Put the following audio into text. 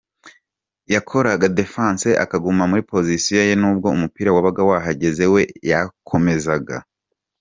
Yakoraga ‘defense’ akaguma muri position ye nubwo umupira wabaga wahagaze we yakomezaga.